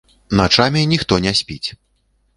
Начамі ніхто не спіць.